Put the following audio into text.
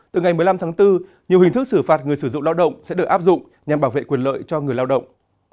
từ ngày một mươi năm tháng bốn nhiều hình thức xử phạt người sử dụng lao động sẽ được áp dụng nhằm bảo vệ quyền lợi cho người lao động